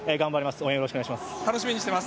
応援よろしくお願いします。